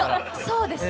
そうですね。